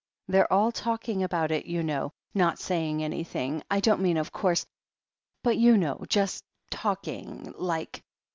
They're all talking about it, you know — ^not saying anything, I don't mean of course, but you know — ^just talking, like."